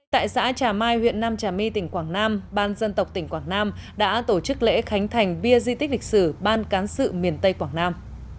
tại xã trà mai huyện nam trà my tỉnh quảng nam ban dân tộc tỉnh quảng nam đã tổ chức lễ khánh thành bia di tích lịch sử ban cán sự miền tây quảng nam